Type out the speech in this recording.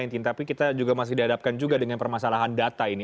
tapi kita juga masih dihadapkan juga dengan permasalahan data ini